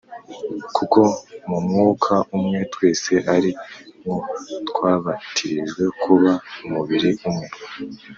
kuko mu Mwuka umwe twese ari mwo twabatirijwe kuba umubiri umwe,